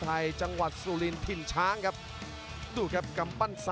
ประโยชน์ทอตอร์จานแสนชัยกับยานิลลาลีนี่ครับ